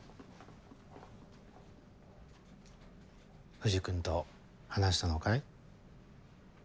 藤君と話したのかい？